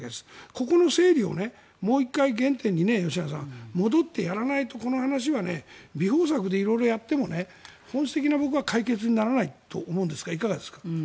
ここの整理を、もう１回原点に戻ってやらないとこの話は弥縫策で色々やっても本質的な解決に僕はならないと思うんですがいかがですか？